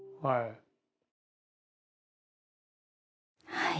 はい。